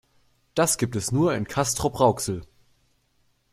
Das gibt es nur in Castrop-Rauxel